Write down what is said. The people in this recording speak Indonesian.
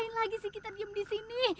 lagi lagi sih kita diem di sini